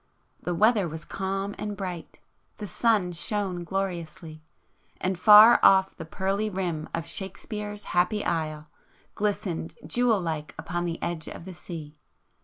The weather was calm and bright, ... the sun shone gloriously,—and far off the pearly rim of Shakespeare's 'happy isle' glistened jewel like upon the edge of the sea.